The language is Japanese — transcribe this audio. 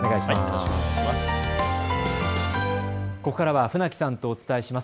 ここからは船木さんとお伝えします。